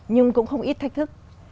nhưng cũng không ít thách thức